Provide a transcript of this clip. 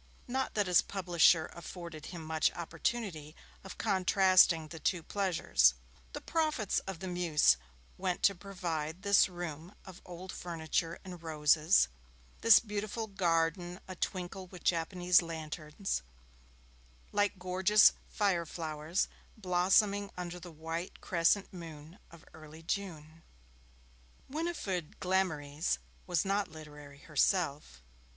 Not that his publisher afforded him much opportunity of contrasting the two pleasures. The profits of the Muse went to provide this room of old furniture and roses, this beautiful garden a twinkle with Japanese lanterns, like gorgeous fire flowers blossoming under the white crescent moon of early June. Winifred Glamorys was not literary herself.